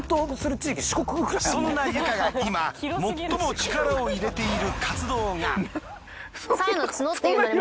そんなユカが今最も力を入れている活動が。